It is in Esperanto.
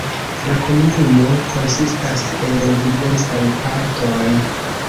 La komunumo konsistas el diversaj partoj.